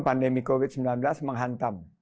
pandemi covid sembilan belas menghantam